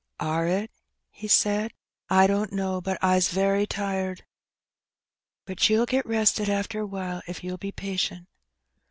"Are it?" he said. "I didn't know; but Fs very tired." " But you'll get rested after a while, if you'll be patient."